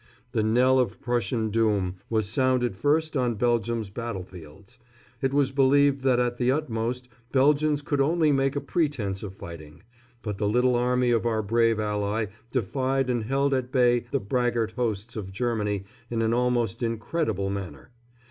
The knell of Prussian doom was sounded first on Belgium's battlefields. It was believed that at the utmost Belgians could only make a pretence of fighting; but the little army of our brave ally defied and held at bay the braggart hosts of Germany in an almost incredible manner.